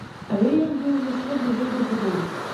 Але ён быў яшчэ бліжэй да будоўлі.